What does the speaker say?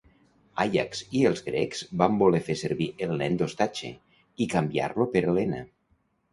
Àiax i els grecs van voler fer servir el nen d'ostatge, i canviar-lo per Helena.